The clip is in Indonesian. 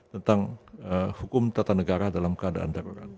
tentang hukum tata negara dalam keadaan darurat